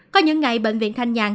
có những ngày bệnh viện thanh nhàng